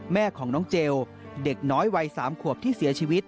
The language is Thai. แม่ของน้องเจลเด็กน้อยวัย๓ขวบที่เสียชีวิต